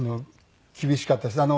厳しかったです。